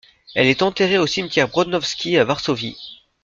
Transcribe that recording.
Elle est enterrée au cimetière Brodnowski à Varsovie.